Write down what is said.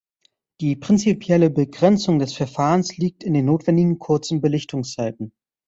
Die prinzipielle Begrenzung des Verfahrens liegt in den notwendigen kurzen Belichtungszeiten.